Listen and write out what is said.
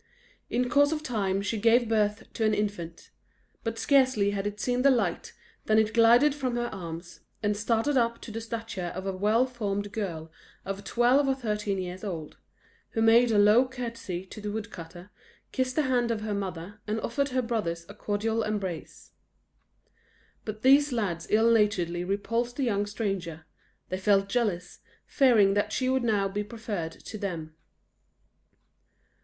In course of time she gave birth to an infant; but scarcely had it seen the light than it glided from her arms, and started up to the stature of a well formed girl of twelve or thirteen years old, who made a low courtesy to the woodcutter, kissed the hand of her mother, and offered her brothers a cordial embrace. But these lads ill naturedly repulsed the young stranger; they felt jealous, fearing that she would now be preferred to them.